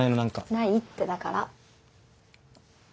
ないってだから。